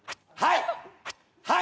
はい！